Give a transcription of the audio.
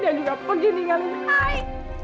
dia juga pergi ninggalin saya